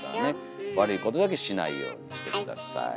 悪いことだけしないようにして下さい。